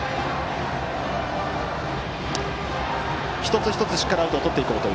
一つ一つしっかりアウトをとっていこうと。